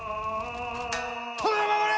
殿を守れ！